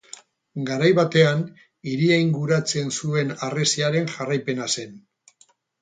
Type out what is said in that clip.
Garai batean, hiria inguratzen zuen harresiaren jarraipena zen.